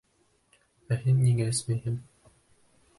Ә һин ниңә эсмәйһең?